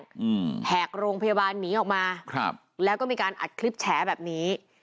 แหกโรงพยาบาลหนีออกมาครับแล้วก็มีการอัดคลิปแฉแบบนี้